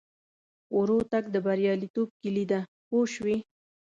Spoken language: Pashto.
ورو تګ د بریالیتوب کیلي ده پوه شوې!.